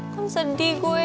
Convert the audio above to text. kan sedih gue